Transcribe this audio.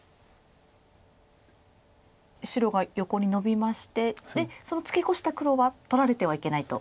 白が横にノビましてそのツケコシた黒は取られてはいけないと。